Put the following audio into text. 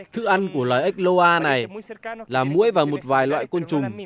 thức ăn của loài ếch loa này là mũi và một vài loại côn trùng